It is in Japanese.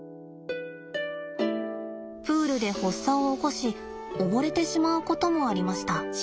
プールで発作を起こし溺れてしまうこともありました。